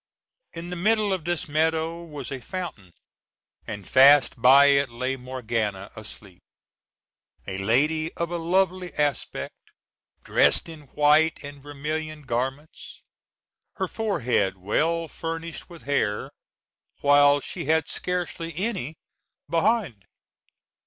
In the middle of this meadow was a fountain, and fast by it lay Morgana asleep; a lady of a lovely aspect, dressed in white and vermilion garments, her forehead well furnished with hair, while she had scarcely any behind.